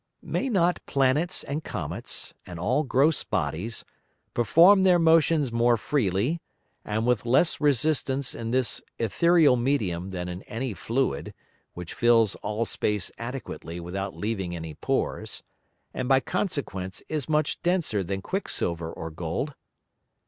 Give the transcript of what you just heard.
May not Planets and Comets, and all gross Bodies, perform their Motions more freely, and with less resistance in this Æthereal Medium than in any Fluid, which fills all Space adequately without leaving any Pores, and by consequence is much denser than Quick silver or Gold?